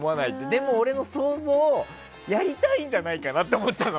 でも、俺の想像はやりたいんじゃないかなと思ったの。